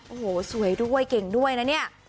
โอ้โหสวยด้วยเก่งด้วยนะเนี่ย